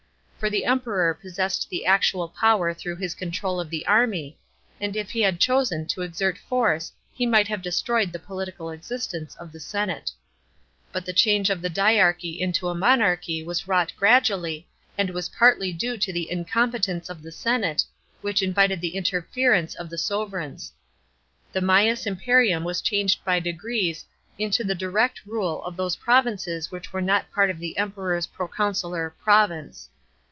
For the Emperor possessed the actual power through his control of the army, and ii he had chosen to exert force he might have destroyed the political existence of the senate. But the change of the dyarchy into a monarchy was wrought gradually, and was partly due to the incompetence of the senate, which invited the interference of the sovrans. The mains imperium was changed by degrees into the direct rule of those provinces which were not part of the Emperor's proconsular " province."